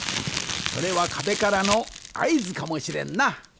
それはかべからのあいずかもしれんな。